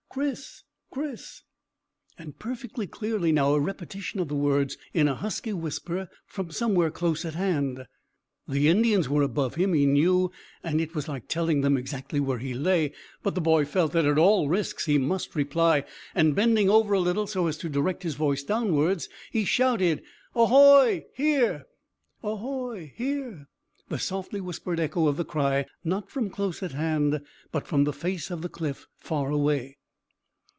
"Chris! Chris!" And perfectly clearly now a repetition of the words in a husky whisper from somewhere close at hand. The Indians were above him, he knew, and it was like telling them exactly where he lay; but the boy felt that at all risks he must reply, and bending over a little so as to direct his voice downwards, he shouted "Ahoy! Here!" Ahoy! Here! The softly whispered echo of the cry, not from close at hand, but from the face of the cliff far away.